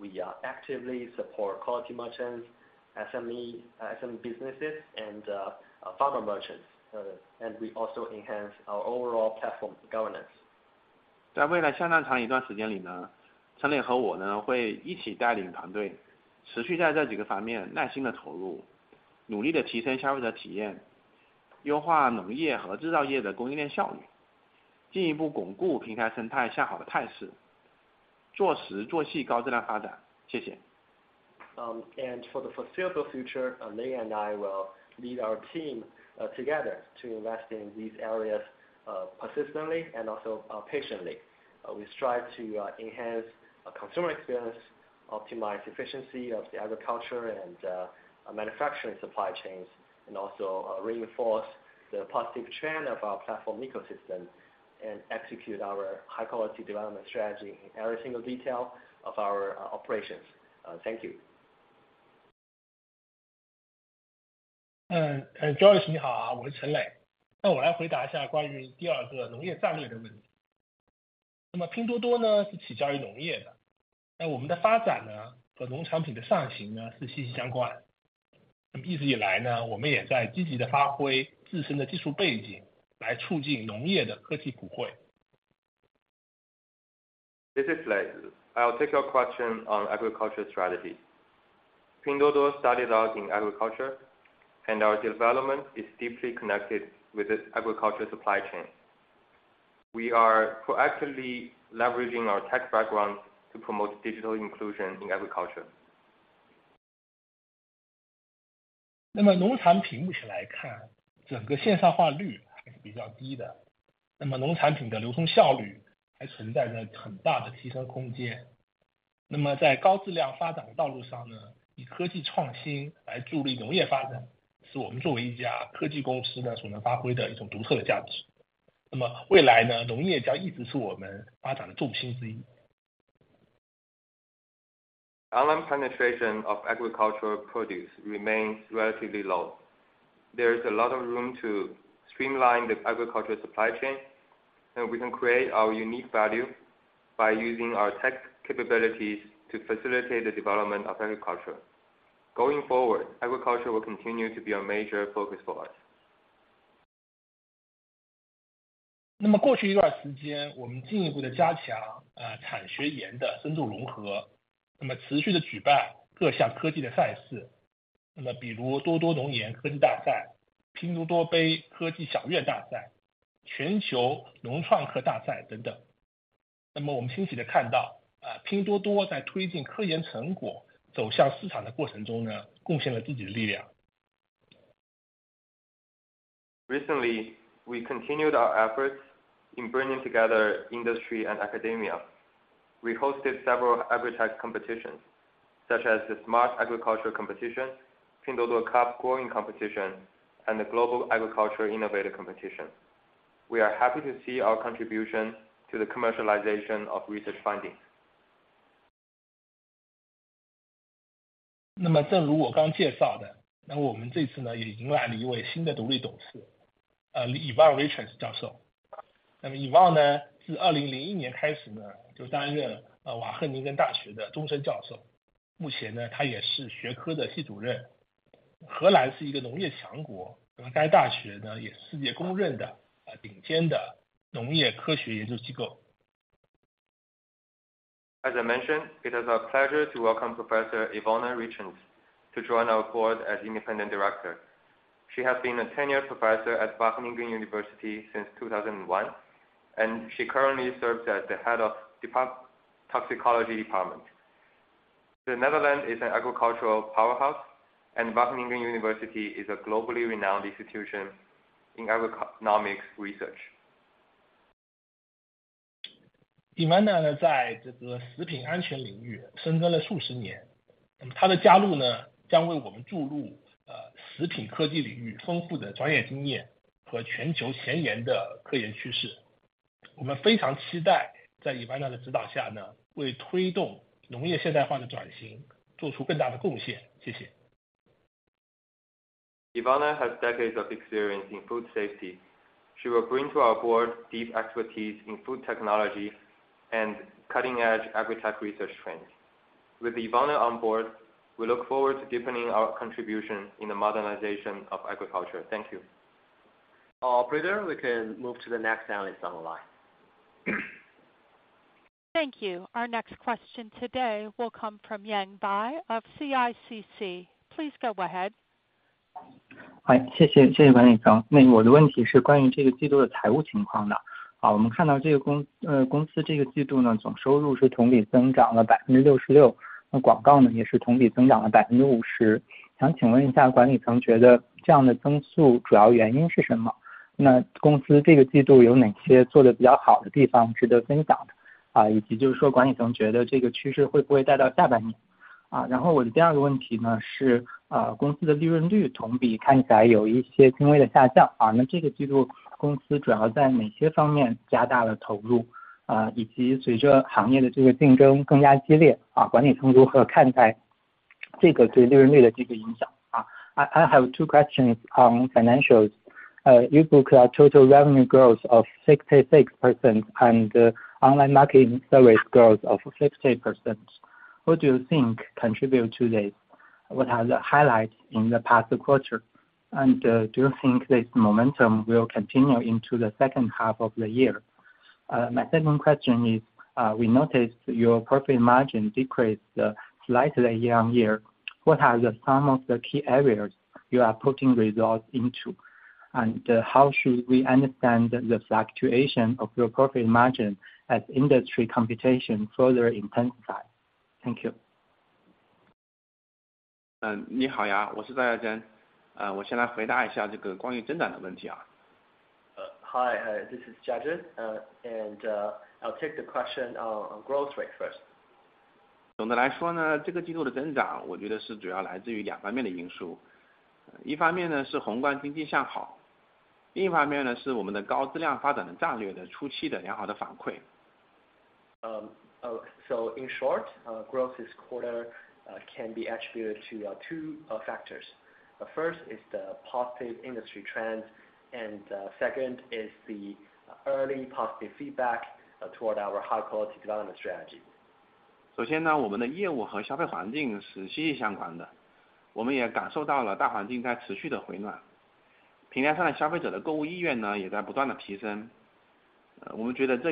S8: we are actively support quality merchants, SME, SME businesses and, farmer merchants, and we also enhance our overall platform governance.
S5: 在未来相当长时间里呢，陈磊和我呢，会一起带领团队，持续在这几个方面耐心地投入，努力地提升消费者体验，优化农业和制造业的供应链效率，进一步巩固平台生态向好的态势，做实做细高质量发展。谢谢。
S8: For the foreseeable future, Lei and I will lead our team together to invest in these areas persistently and also patiently. We strive to enhance consumer experience, optimize efficiency of the agriculture and manufacturing supply chains, and also reinforce the positive trend of our platform ecosystem and execute our high quality development strategy in every single detail of our operations. Thank you!
S3: George，你好，我是陈磊。那我来回答一下关于第二个农业战略的问题。那么拼多多呢，是起家于农业的，那我们的发展呢，和农产品的上行呢，是息息相关。那么一直以来呢，我们也在积极地发挥自身的科技背景，来促进农业的科技普惠。
S9: This is Lei. I'll take your question on agriculture strategy. Pinduoduo started out in agriculture, and our development is deeply connected with the agriculture supply chain. We are proactively leveraging our tech background to promote digital inclusion in agriculture.
S3: 那么农产品目前来看，整个线上化率还是比较低的，那么农产品的流通效率还存在着很大的提升空间。那么在高质量发展道路上呢，以科技创新来助力农业发展，是我们作为一家科技公司呢，所能发挥的一种独特价值。那么未来呢，农业将一直是我们发展重心之一。...
S9: online penetration of agricultural produce remains relatively low. There is a lot of room to streamline the agriculture supply chain, and we can create our unique value by using our tech capabilities to facilitate the development of agriculture. Going forward, agriculture will continue to be a major focus for us.
S3: 那么过去一段时间，我们进一步地加强产学研的深度融合，那么持续地举办各项科技的赛事，那么比如多多农研科技大赛、拼多多杯科技小院大赛、全球农创客大赛等等。那么我们欣喜地看到，拼多多在推进科研成果走向市场的过程中呢，贡献了自己的力量。
S9: Recently, we continued our efforts in bringing together industry and academia. We hosted several agritech competitions, such as the Smart Agriculture Competition, Pinduoduo Cup Growing Competition, and the Global Agriculture Innovative Competition. We are happy to see our contribution to the commercialization of research findings.
S3: 那么，正如我刚才介绍的，那么我们这次呢，也迎来了一位新的独立董事，Ivonne Rietjens教授。那么Ivonne呢，自2001年开始呢，就担任了瓦赫宁根大学的终身教授，目前呢，他也是学科的系主任。荷兰是一个农业强国，该大学呢，也是世界公认的顶尖的农业科学研究机构。
S9: As I mentioned, it is our pleasure to welcome Professor Ivonne Rietjens to join our board as independent director. She has been a tenured professor at Wageningen University since 2001, and she currently serves as the head of the Department of Toxicology. The Netherlands is an agricultural powerhouse, and Wageningen University is a globally renowned institution in agronomics research.
S3: Ivonne呢，在这个食品安全领域深耕了数十年，那么她的加入呢，将为我们注入，食品科技领域丰富的专业经验和全球前沿的科研趋势。我们非常期待在Ivonne的指导下呢，为推动农业现代化的转型做出更大的贡献。谢谢。
S9: Ivonne has decades of experience in food safety. She will bring to our board deep expertise in food technology and cutting edge agritech research trends. With Ivonne on board, we look forward to deepening our contribution in the modernization of agriculture. Thank you. Operator, we can move to the next analyst on the line.
S1: Thank you. Our next question today will come from Yang Bai of CICC. Please go ahead.
S10: I have two questions on financials. You book our total revenue growth of 66% and online marketing service growth of 60%. What do you think contribute to this? What are the highlights in the past quarter? And do you think this momentum will continue into the second half of the year? My second question is, we noticed your profit margin decreased slightly year-on-year. What are some of the key areas you are putting resources into? And how should we understand the fluctuation of your profit margin as industry competition further intensified? Thank you.
S5: 你好呀，我是赵佳臻。我先来回答一下这个关于增长的问题啊。
S4: Hi, this is Jiazhen. I'll take the question on growth rate first.
S5: 总的来说呢，这个季度的增长我觉得是主要来自于两方面的因素，一方面呢是宏观经济向好，另一方面呢是我们高质量发展的战略的初期的良好的反馈。
S4: So in short, growth this quarter can be attributed to two factors. The first is the positive industry trends, and second is the early positive feedback toward our high quality development strategy.
S5: 首先呢，我们的业务和消费环境是息息相关的，我们也感受到大环境在持续地回暖，平台上的消费者的购物意愿呢也在不断地提升。我们觉得这与这个促消费的各项政策措施推出以及实施是密不可分的。
S4: Our business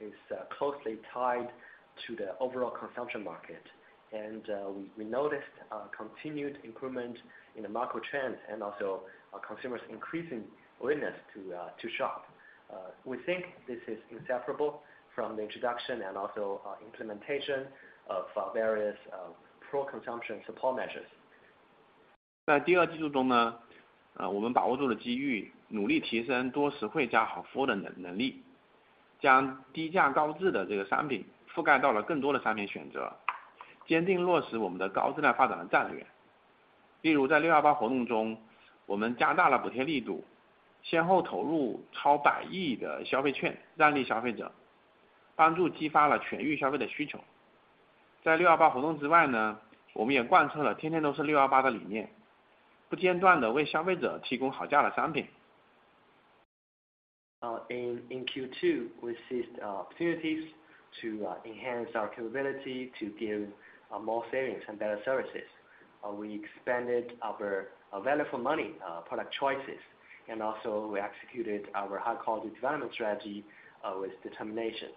S4: is closely tied to the overall consumption market. And we noticed a continued improvement in the macro trends and also our consumers increasing willingness to shop. We think this is inseparable from the introduction and also implementation of various pro-consumption support measures. In Q2, we seized opportunities to enhance our capability to give more savings and better services. We expanded our value for money product choices, and also we executed our high quality development strategy with determination.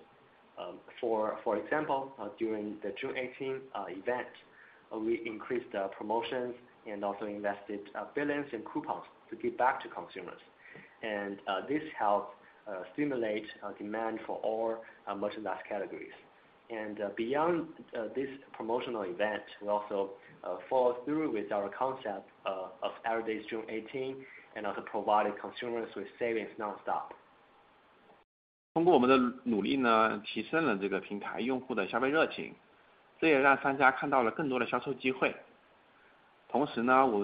S4: For example, during the June 18th event, we increased our promotions and also invested billions in coupons to give back to consumers. This helped stimulate demand for all merchandise categories. Beyond this promotional event, we also follow through with our concept of everyday is June 18th, and also providing consumers with savings nonstop.
S5: 通过我们的努力呢，提升了这个平台用户的消费热情，这也让商家看到了更多的销售机会。同时呢，我们对优质商家的支持，也让他们更加的愿意投入资源，和我们一起呢共同服务好消费者，因此我们的营收也取得了不错的增长。
S2: And our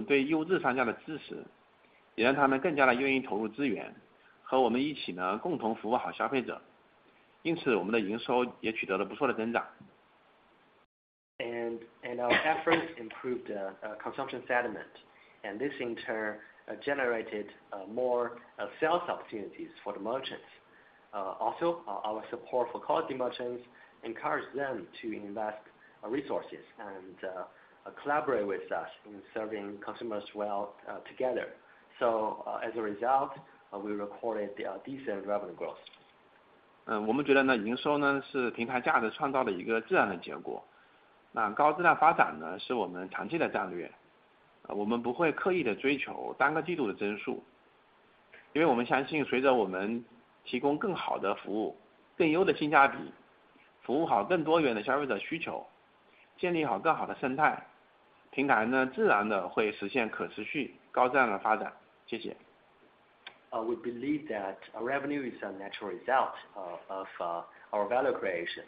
S2: efforts improved consumption sentiment, and this in turn generated more sales opportunities for the merchants. Also, our support for quality merchants encouraged them to invest resources and collaborate with us in serving customers well, together. So, as a result, we recorded a decent revenue growth.
S5: 我们觉得呢，营收呢，是平台价值创造的一个自然的结果。那高质量发呢，是我们的长期的战略，我们不会刻意地追求单个季度的增速，因为我们相信，随着我们提供更好的服务，更优的性价比，服务好更多元的消费者需求，建立好更好的生态，平台呢自然地会实现可持续高质量的发展。谢谢。
S4: We believe that revenue is a natural result of our value creation,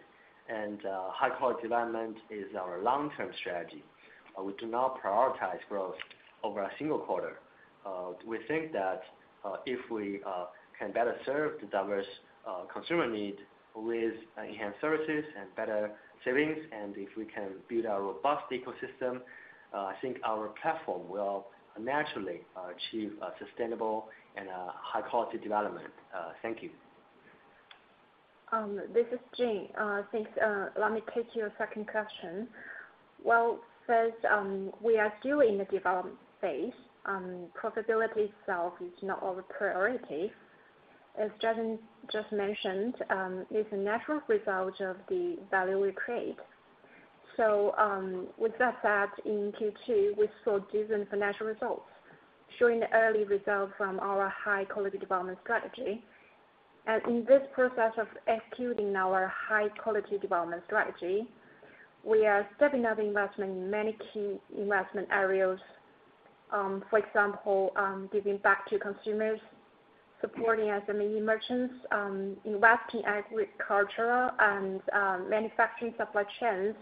S4: and high quality development is our long-term strategy. We do not prioritize growth over a single quarter. We think that if we can better serve the diverse consumer need with enhanced services and better savings, and if we can build a robust ecosystem, I think our platform will naturally achieve a sustainable and a high quality development. Thank you.
S6: This is Jun. Thanks. Let me take your second question. Well, first, we are still in the development phase. Profitability itself is not our priority. As Jason just mentioned, it's a natural result of the value we create. So, with that said, in Q2, we saw decent financial results, showing the early results from our high quality development strategy. In this process of executing our high quality development strategy, we are stepping up investment in many key investment areas. For example, giving back to consumers, supporting SME merchants, investing in agricultural and manufacturing supply chains,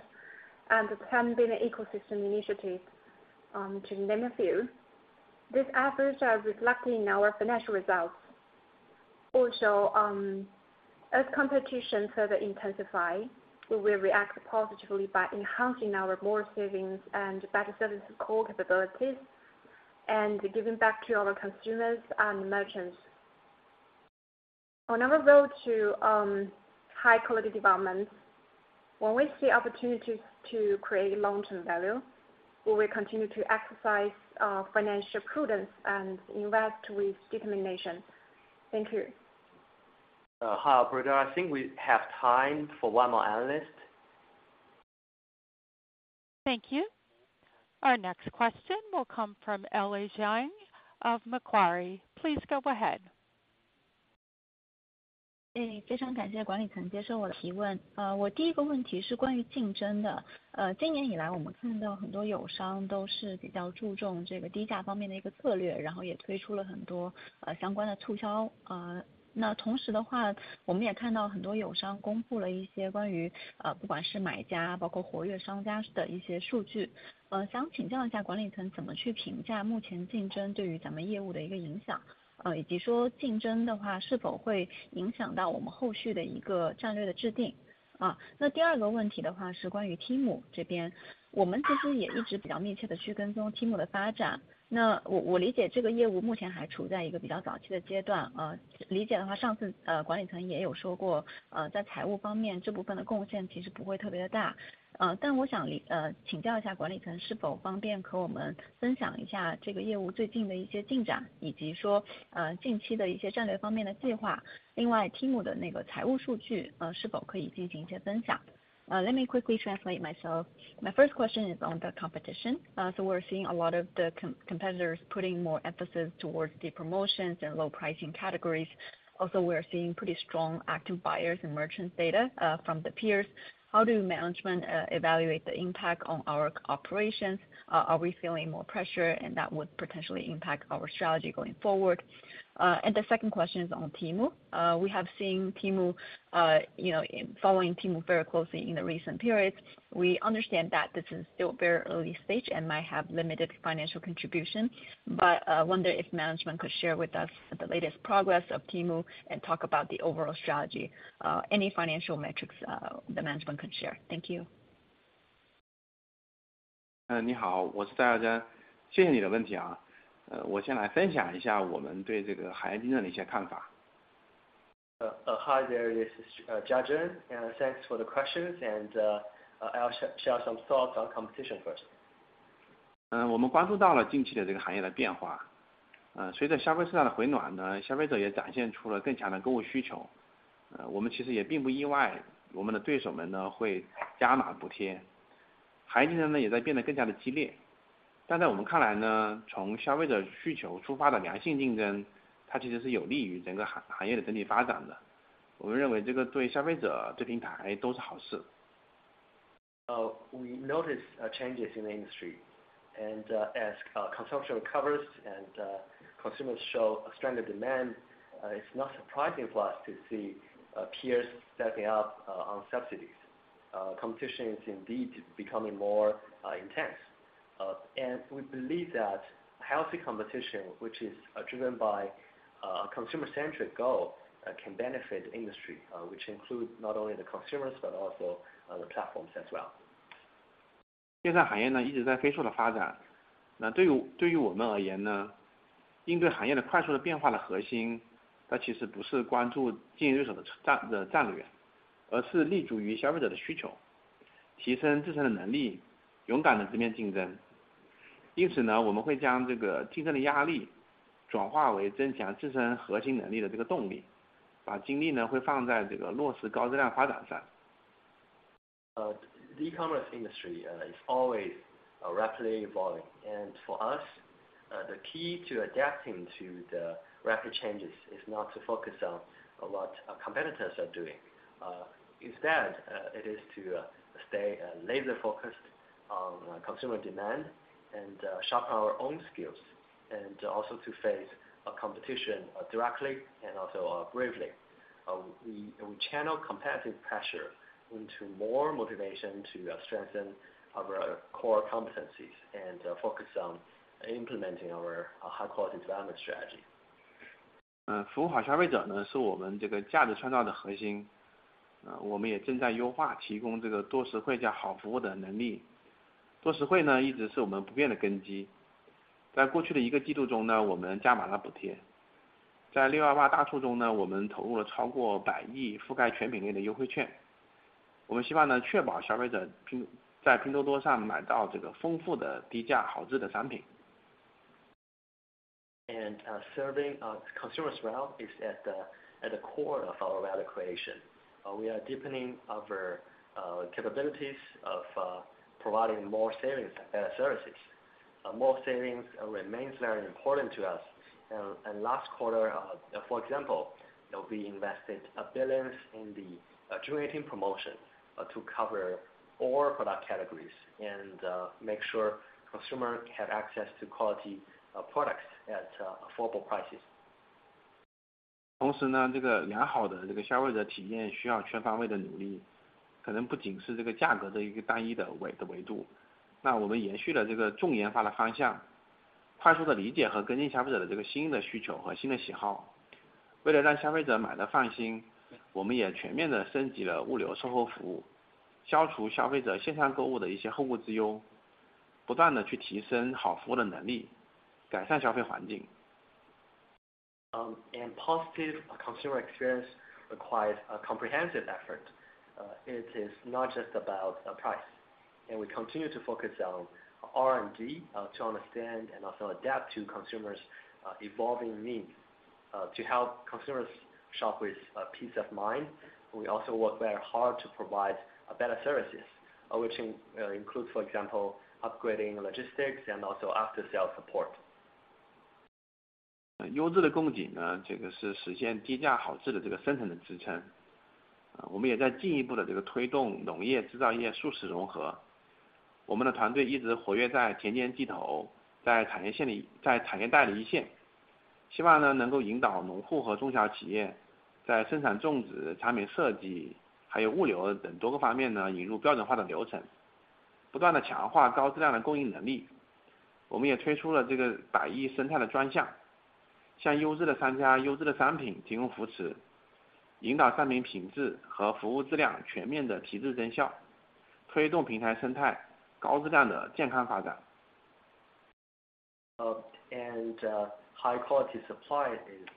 S6: and expanding the ecosystem initiative, to name a few. These efforts are reflecting in our financial results. Also, as competition further intensify, we will react positively by enhancing our more savings and better service core capabilities, and giving back to our consumers and merchants. On our road to high quality development, when we see opportunities to create long-term value, we will continue to exercise financial prudence and invest with determination. Thank you.
S2: Hi, operator, I think we have time for one more analyst.
S1: Thank you. Our next question will come from Ellie Jiang of Macquarie. Please go ahead.
S11: 请教一下管理层，是否方便和我们分享一下这个业务最近的一些进展，以及说，近期的一些战略方面的计划。另外，Temu的那个财务数据，是否可以进行一些分享？Let me quickly translate myself. My first question is on the competition. So we're seeing a lot of the competitors putting more emphasis towards the promotions and low pricing categories. Also, we are seeing pretty strong active buyers and merchants data from the peers. How do management evaluate the impact on our operations? Are we feeling more pressure and that would potentially impact our strategy going forward? And the second question is on Temu. We have seen Temu, you know, in following Temu very closely in the recent periods. We understand that this is still very early stage and might have limited financial contribution, but wonder if management could share with us the latest progress of Temu and talk about the overall strategy, any financial metrics, the management can share. Thank you
S5: Hello, I am Jiazhen Zhao. Thanks for your question. I'll first share some of our views on this industry competition. Hi there, this is Jiazhen Zhao, and thanks for the question. I'll share some thoughts on competition first. We have noticed the recent changes in this industry. With the warming of the consumer market, consumers have also shown stronger shopping demand. We actually are not surprised. Our competitors will ramp up subsidies. Industry competition is also becoming more intense. But in our view, benign competition starting from consumer demand is actually beneficial to the overall development of the entire industry. We believe this is good for consumers and for the platform.
S4: We notice changes in the industry, and as consumption recovers and consumers show a stronger demand, it's not surprising for us to see peers stepping up on subsidies. Competition is indeed becoming more intense. We believe that healthy competition, which is driven by a consumer-centric goal, can benefit the industry, which includes not only the consumers, but also the platforms as well.
S5: 电商行业呢，一直在飞速的发展。对于我们而言呢，应对行业快速的变化的核心，其实不是关注竞争对手的战略，而是立足于消费者的需求，提升自身的能 力，勇敢地直面竞争。因此呢，我们会将这个竞争的压力转化为增强自身核心能力的这个动力，把精力呢，会放在这个落实高质量发展上。
S4: The e-commerce industry is always rapidly evolving, and for us, the key to adapting to the rapid changes is not to focus on what our competitors are doing. Instead, it is to stay laser focused on consumer demand and sharpen our own skills, and also to face a competition directly and also bravely. We channel competitive pressure into more motivation to strengthen our core competencies and focus on implementing our high quality development strategy.
S5: 服务好消费者呢，是我们这个价值创造的核心。我们也正在优化提供这个多实惠加好服务的能力。多实惠呢，一直是我们不变的根基。在过去的一个季度中呢，我们加码了补贴。在618大促中呢，我们投入了超过 CNY 100亿 覆盖全品类的优惠券。我们希望呢，确保消费者拼，在拼多多上买到这个丰富的低价好质的产品。
S4: Serving our consumers well is at the core of our value creation. We are deepening our capabilities of providing more savings and better services. More savings remains very important to us, and last quarter, for example, we invested $1 billion in the 618 promotion to cover all product categories, and make sure consumers have access to quality products at affordable prices.
S5: 同时呢，这个良好的消费者体验需要全方位的努力，可能不仅是这个价格的一个单一的维度。我们延续了这个重研发的方向，快速地理解和更新消费者的这个新的需求和新的喜好。为了让消费者买得放心，我们也全面地升级了物流售后服务，消除消费者线上购物的一些后顾之忧，不断地去提升好服务的能力，改善消费环境。
S4: And positive consumer experience requires a comprehensive effort. It is not just about price, and we continue to focus on R&D to understand and also adapt to consumers' evolving needs. To help consumers shop with peace of mind, we also work very hard to provide a better services, which includes, for example, upgrading logistics and also after sale support. High quality supply is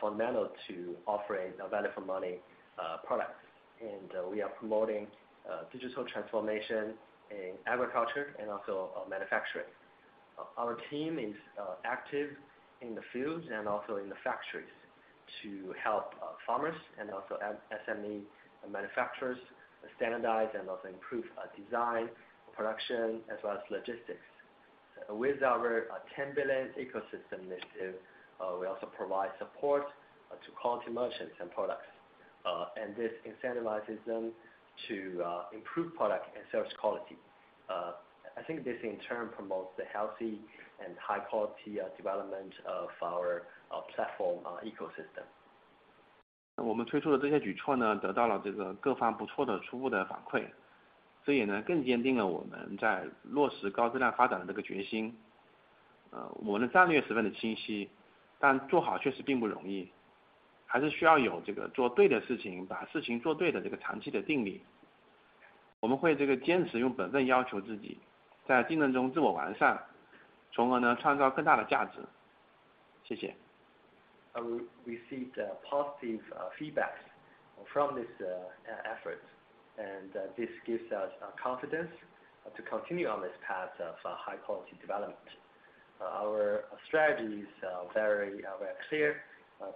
S4: fundamental to offering a value for money product. We are promoting digital transformation in agriculture and also manufacturing. Our team is active in the fields and also in the factories to help farmers and also SME manufacturers standardize and also improve design, production, as well as logistics. With our 10 Billion Ecosystem Initiative, we also provide support to quality merchants and products, and this incentivizes them to improve product and service quality. I think this in turn promotes the healthy and high quality development of our platform ecosystem.
S5: 我们推出的这些举措呢，得到了这个各方不错的初步的反馈，所以呢，更坚定了我们在落实高质量发展的这个决心。Our strategy is very clear, but doing it well is not that easy. It still needs to have this doing the right thing, doing things right, this long-term proposition. We will, this insist on using Ben Fen to demand of ourselves, to improve ourselves in the process, and thus, create greater value. Thank you.
S4: We, we see the positive feedbacks from this effort, and this gives us confidence to continue on this path of high quality development. Our strategy is very, very clear,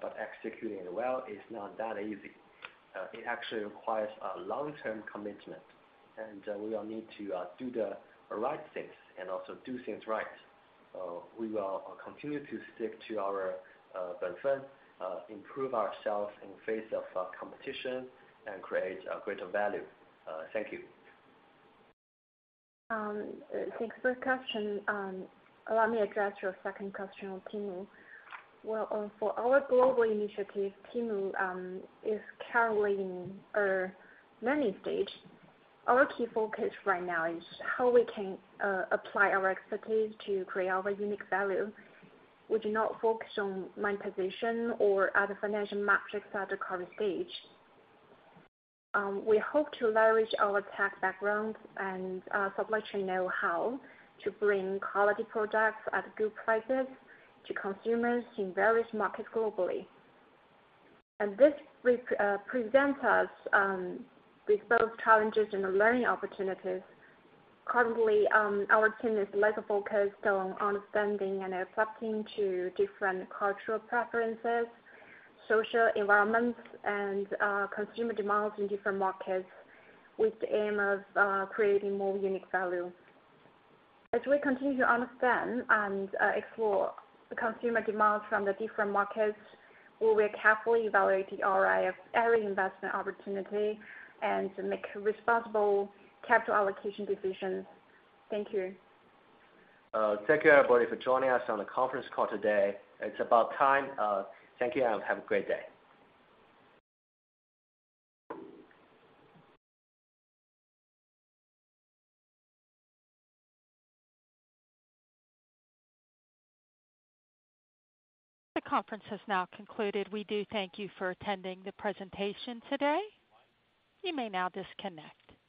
S4: but executing it well is not that easy. It actually requires a long-term commitment, and we will need to do the right things and also do things right. We will continue to stick to our Ben Fen, improve ourselves in the face of competition and create a greater value. Thank you.
S6: Thanks for the question. Allow me to address your second question on Temu. Well, for our global initiative, Temu, is currently in a learning stage. Our key focus right now is how we can apply our expertise to create our unique value. We do not focus on monetization or other financial metrics at the current stage. We hope to leverage our tech background and supply chain know-how to bring quality products at good prices to consumers in various markets globally. And this represents us with both challenges and learning opportunities. Currently, our team is laser focused on understanding and adapting to different cultural preferences, social environments, and consumer demands in different markets, with the aim of creating more unique value. As we continue to understand and explore the consumer demands from the different markets, we will carefully evaluate the ROI of every investment opportunity and make responsible capital allocation decisions. Thank you.
S2: Thank you, everybody, for joining us on the conference call today. It's about time. Thank you, and have a great day.
S1: The conference has now concluded. We do thank you for attending the presentation today. You may now disconnect.